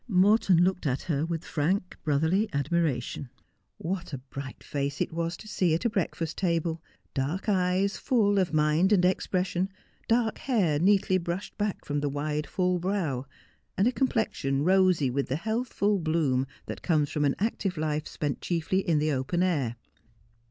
Morton looked at her with frank, brotherly admiration. What a blight face it was to see at a breakfast table !— dark eyes full of mind and expression — dark hair neatly brushed back from the wide, full brow, and a com plexion rosy with the healthful bloom that comes from an active life spent chiefly in the open air.